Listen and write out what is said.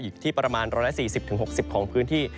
อยู่ที่ประมาณ๑๔๐๖๐ของพื้นที่